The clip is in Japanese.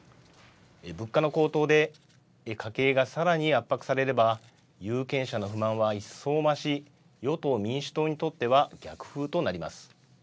物価の高騰で家計がさらに圧迫されれば、有権者の不満は一層増し、与党・民主党にとっては逆風となります。